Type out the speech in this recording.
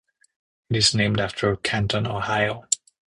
It is named after Canton, Ohio.